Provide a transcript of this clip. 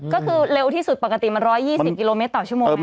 ก็คือเร็วที่สุดปกติมัน๑๒๐กิโลเมตรต่อชั่วโมง